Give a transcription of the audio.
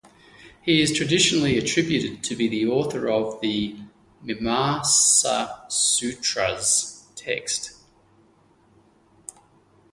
He is traditionally attributed to be the author of the "Mimamsa Sutras" text.